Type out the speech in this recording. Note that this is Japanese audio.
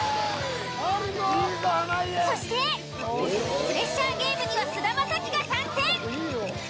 そしてプレッシャーゲームには菅田将暉が参戦。